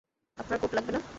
আপনার কোট লাগবে না?